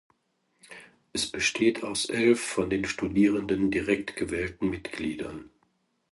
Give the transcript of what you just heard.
Es besteht aus elf von den Studierenden direkt gewählten Mitgliedern.